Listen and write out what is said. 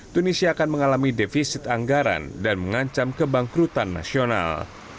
tunisia akan mengalami defisit anggaran dan mengancam kebangkrutan nasional